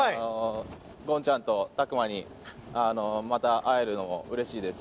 ゴンちゃんと拓磨にまた会えるのもうれしいです。